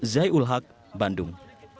zai ul haq bandung